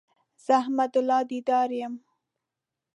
زه احمد الله ديدار يم